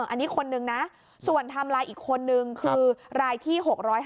อันนี้คนนึงนะส่วนไทม์ไลน์อีกคนนึงคือรายที่๖๕